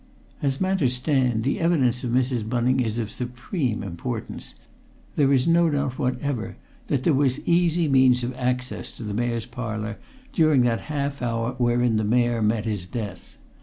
As matters stand, the evidence of Mrs. Bunning is of supreme importance there is no doubt whatever that there was easy means of access to the Mayor's Parlour during that half hour wherein the Mayor met his death.